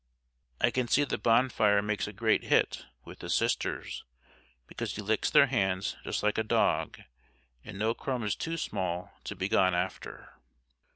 I can see that Bonfire makes a great hit with the Sisters because he licks their hands just like a dog, and no crumb is too small to be gone after.